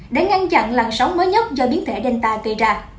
để ngăn chặn làn sóng mới nhất do biến thể danta gây ra